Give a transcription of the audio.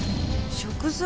食材。